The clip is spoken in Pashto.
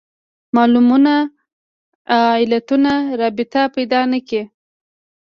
معلولونو علتونو رابطه پیدا نه کړي